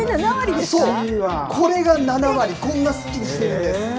これが７割、こんなすっきりしてるんです。